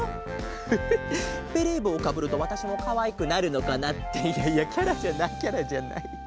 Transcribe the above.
フフベレーぼうをかぶるとわたしもかわいくなるのかな。っていやいやキャラじゃないキャラじゃない。